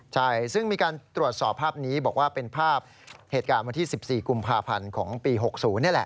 ใช่ซึ่งมีการตรวจสอบภาพนี้บอกว่าเป็นภาพเหตุการณ์วันที่๑๔กุมภาพันธ์ของปี๖๐นี่แหละ